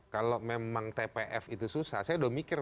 kalau memang tpf itu susah saya udah mikir